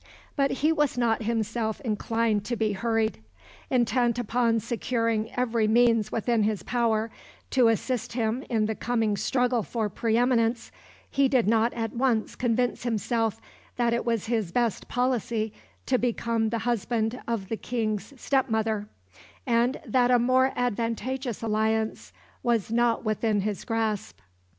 But he was not himself inclined to be hurried. Intent upon securing every means within his power to assist him in the coming struggle for pre eminence, he did not at once convince himself that it was his best policy to become the husband of the King's step mother, and that a more advantageous alliance was not within his grasp.